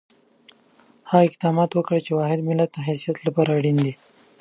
هغه اقدامات وکړو چې د واحد ملت حیثیت لپاره اړین دي.